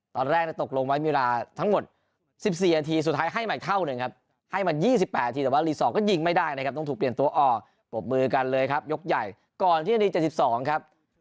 ตอนแรกตกลงไว้มีเวลาทั้งหมด๑๔นาทีสุดท้ายให้ใหม่เท่าหนึ่งครับให้มา๒๘ทีแต่ว่ารีสอร์ทก็ยิงไม่ได้นะครับต้องถูกเปลี่ยนตัวออกปรบมือกันเลยครับยกใหญ่ก่อนที่นาที๗๒ครับ